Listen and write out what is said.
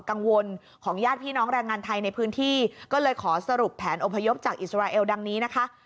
กังวลของญาติพี่น้องแรงงานไทยในพื้นที่ก็เลยขอสรุปแผนอพยพจากอิสราเอลดังนี้นะคะ